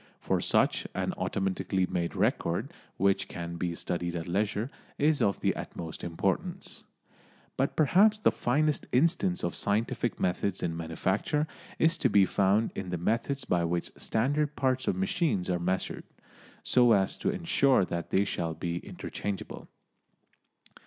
For such, an automatically made record, which can be studied at leisure, is of the utmost importance. But perhaps the finest instance of scientific methods in manufacture is to be found in the methods by which standard parts of machines are measured, so as to ensure that they shall be interchangeable.